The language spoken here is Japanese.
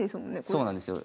そうなんですよ。